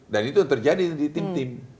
dan itu terjadi di tim tim